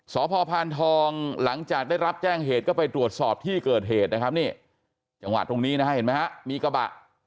สพพานทองหลังจากได้รับแจ้งเหตุก็ไปตรวจสอบที่เกิดเหตุนะครับนี่จังหวะตรงนี้นะฮะเห็นไหมฮะมีกระบะ